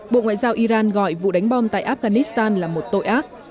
bộ ngoại giao iran gọi vụ đánh bom tại afghanistan là một tội ác